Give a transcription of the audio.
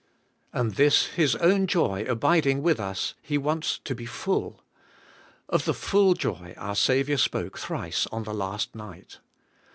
And this His own joy abiding with us. He wants to be full Of the full joy our Saviour spoke thrice on the last night.